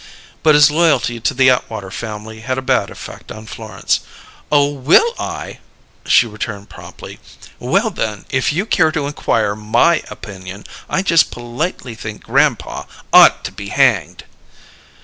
But his loyalty to the Atwater family had a bad effect on Florence. "Oh, will I?" she returned promptly. "Well, then, if you care to inquire my opinion, I just politely think grandpa ought to be hanged."